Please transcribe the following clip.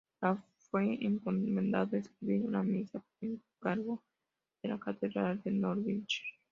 Le fue encomendado escribir una misa por encargo de la catedral de Norwich.